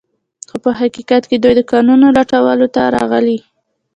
خو په حقیقت کې دوی د کانونو لوټولو ته راغلي